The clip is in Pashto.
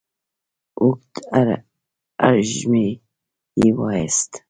اوږد ارږمی يې وايست،